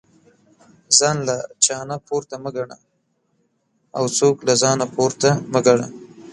ځان له چانه پورته مه ګنه او څوک له ځانه پورته مه ګنه